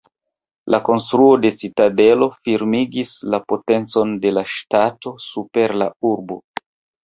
La konstruo de citadelo firmigis la potencon de la ŝtato super la urbo.